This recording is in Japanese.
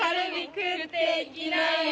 「食って行きないよ！」